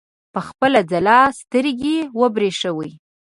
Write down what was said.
په خپلې ځلا سترګې وبرېښوي.